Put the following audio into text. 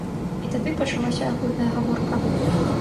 І тады пачалася агульная гаворка.